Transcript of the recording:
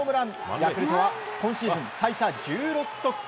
ヤクルトは今シーズン最多１６得点。